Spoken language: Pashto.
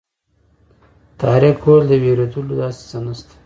طارق وویل د وېرېدلو داسې څه نه شته.